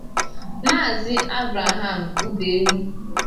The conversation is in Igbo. Maazị Abraham Uberu.